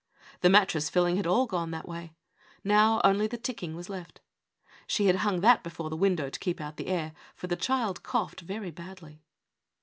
The mattress filling had all gone that way ; now, only the ticking was left. She had hung that before the window to keep out the air, for the child coughed very badly.